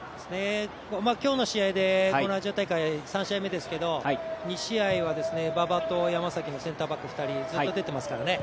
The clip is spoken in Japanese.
今日の試合でこのアジア大会３試合目ですけど、２試合は馬場と山崎のセンターバック２人ずっと出てますからね。